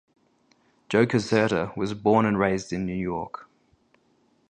Joe Caserta was born and raised in New York.